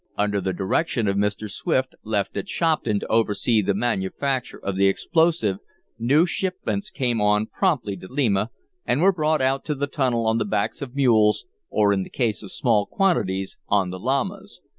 Under the direction of Mr. Swift, left at Shopton to oversee the manufacture of the explosive, new shipments came on promptly to Lima, and were brought out to the tunnel on the backs of mules, or in the case of small quantities, on the llamas.